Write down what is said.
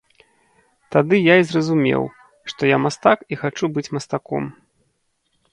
Тады я і зразумеў, што я мастак і хачу быць мастаком.